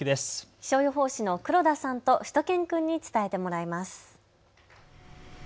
気象予報士の黒田さんとしゅと犬くんに伝えてもらいます。